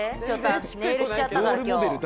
私ネイルしちゃったから今日。